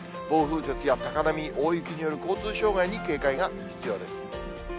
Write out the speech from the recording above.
暴風雪や高波、大雪による交通障害に警戒が必要です。